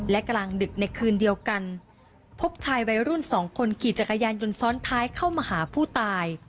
และกลางดึกในคืนเดียวกันพบชายวัยรุ่นสองคนขี่จักรยานยนต์ซ้อนท้ายเข้ามาหาผู้ตาย